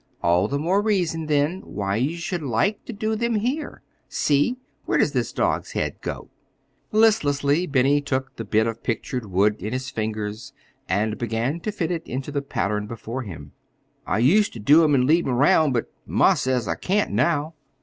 "All the more reason, then, why you should like to do them here. See, where does this dog's head go?" Listlessly Benny took the bit of pictured wood in his fingers and began to fit it into the pattern before him. "I used ter do 'em an' leave 'em 'round, but ma says I can't now.